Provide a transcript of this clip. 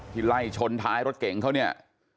ไล่ชนท้ายรถเก่งเขาเนี่ย